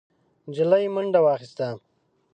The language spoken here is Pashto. نجلۍ منډه واخيسته،